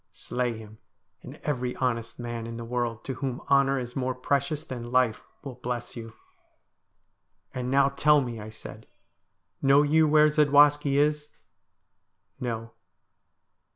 Slay him, and every honest man in the world to whom honour is more precious than life will bless you.' ' And now tell me,' I said, ' know you where Zadwaski is ?' 'No.'